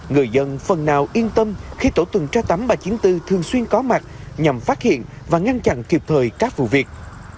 người dân phần nào yên tâm khi tổ tuần tra tám nghìn ba trăm chín mươi bốn thường xuyên có mặt nhằm phát hiện và ngăn chặn kịp thời các vụ việc